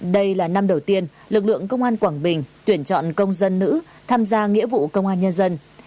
đây là năm đầu tiên lực lượng công an quảng bình tuyển chọn công dân nữ tham gia nghĩa vụ công an nhân dân